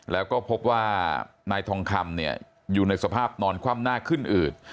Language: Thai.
แล้วก็พบว่านายทองคำเนี่ยอยู่ในสภาพนอนคว่ำหน้าขึ้นอืด